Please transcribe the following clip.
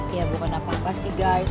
ya bukan apa apa sih guys